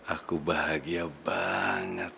aku bahagia banget